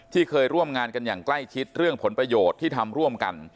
เคยร่วมงานกันอย่างใกล้ชิดเรื่องผลประโยชน์ที่ทำร่วมกัน